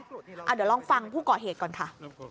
เดี๋ยวลองฟังผู้ก่อเหตุก่อนค่ะ